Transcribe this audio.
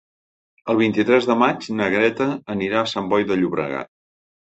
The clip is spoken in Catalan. El vint-i-tres de maig na Greta anirà a Sant Boi de Llobregat.